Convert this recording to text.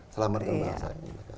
selamatkan bangsa ini